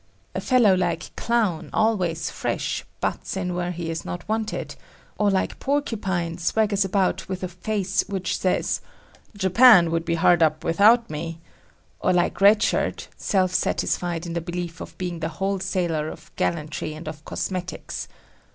A fellow like Clown, always fresh, butts in where he is not wanted; or like Porcupine swaggers about with a face which says "Japan would be hard up without me," or like Red Shirt, self satisfied in the belief of being the wholesaler of gallantry and of cosmetics.